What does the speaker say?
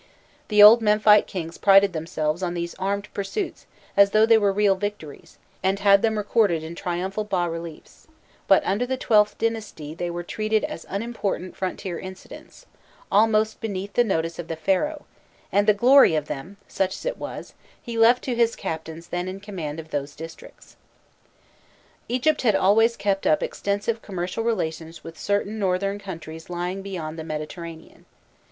The old Memphite kings prided themselves on these armed pursuits as though they were real victories, and had them recorded in triumphal bas reliefs; but under the XIIth dynasty they were treated as unimportant frontier incidents, almost beneath the notice of the Pharaoh, and the glory of them such as it was he left to his captains then in command of those districts. Egypt had always kept up extensive commercial relations with certain northern countries lying beyond the Mediterranean.